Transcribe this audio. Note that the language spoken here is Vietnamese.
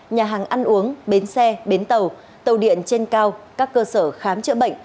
nhà hàng ăn uống bến xe bến tàu tàu điện trên cao các cơ sở khám chữa bệnh